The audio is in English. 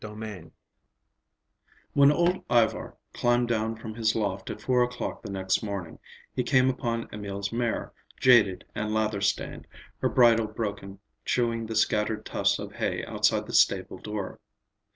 VIII When old Ivar climbed down from his loft at four o'clock the next morning, he came upon Emil's mare, jaded and lather stained, her bridle broken, chewing the scattered tufts of hay outside the stable door.